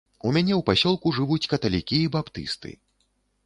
У мяне ў пасёлку жывуць каталікі і баптысты.